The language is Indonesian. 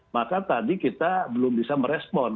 maka tadi kita belum bisa merespon